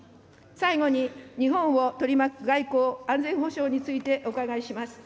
最後に、日本を取り巻く外交・安全保障についてお伺いします。